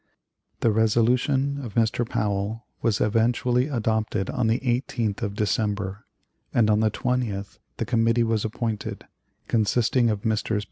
The resolution of Mr. Powell was eventually adopted on the 18th of December, and on the 20th the Committee was appointed, consisting of Messrs.